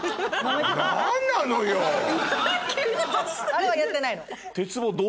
あれはやってないの。